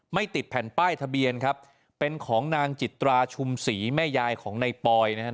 ติดแผ่นป้ายทะเบียนครับเป็นของนางจิตราชุมศรีแม่ยายของในปอยนะครับ